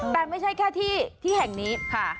แต่ไม่ใช่แค่ที่ที่แห่งนี้